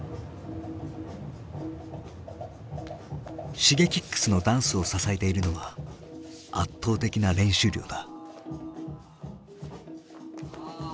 Ｓｈｉｇｅｋｉｘのダンスを支えているのは圧倒的な練習量だ。